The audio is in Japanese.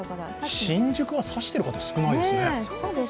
新宿は差してる方、少ないですね。